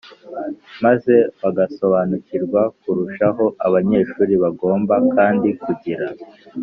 maze bagasobanukirwa kurushaho. abanyeshuri bagomba kandi kugira